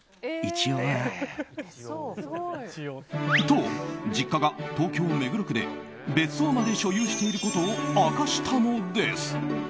と、実家が東京・目黒区で別荘まで所有していることを明かしたのです。